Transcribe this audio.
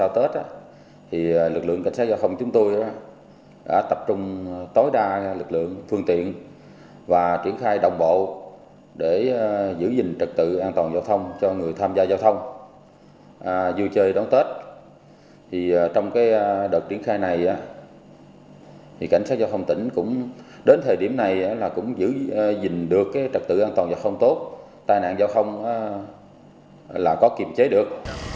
thì cảnh sát giao thông tỉnh cũng đến thời điểm này là cũng giữ gìn được trật tự an toàn giao thông tốt tai nạn giao thông là có kiểm chế được